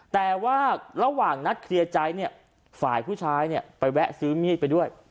แต่ว่าระหว่างนัดเคลียร์ใจเนี่ยฝ่ายผู้ชายเนี่ยไปแวะซื้อมีดไปด้วย